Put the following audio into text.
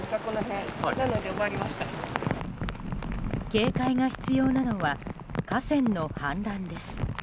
警戒が必要なのは河川の氾濫です。